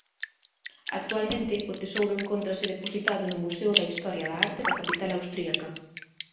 Actualmente o tesouro encóntrase depositado no Museo de Historia da Arte da capital austríaca.